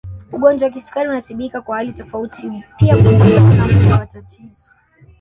Ugonjwa wa kisukari unatibika kwa hali tofauti pia kufuatana na muda wa tatizo